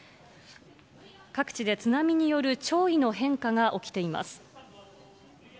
各地で津波による潮位の変化が起きています。